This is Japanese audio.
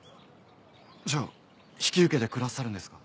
じゃあ引き受けてくださるんですか？